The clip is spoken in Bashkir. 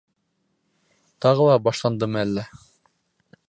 Тағы ла башландымы әллә?